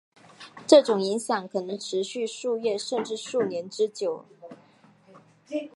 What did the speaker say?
这种影响可能持续数月甚至数年之久。